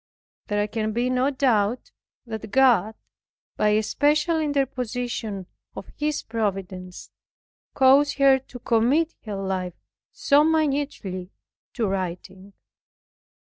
There can be no doubt that God, by a special interposition of His Providence, caused her to commit her life so minutely to writing.